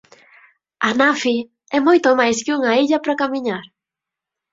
Anafi é moito máis que unha illa para camiñar.